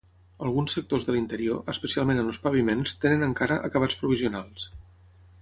Alguns sectors de l'interior, especialment en els paviments, tenen encara acabats provisionals.